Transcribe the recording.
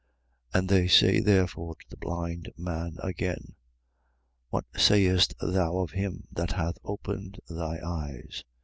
9:17. They say therefore to the blind man again: What sayest thou of him that hath opened thy eyes?